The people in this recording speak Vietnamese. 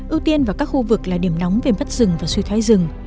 ưu tiên vào các khu vực là điểm nóng về mất rừng và suy thoái rừng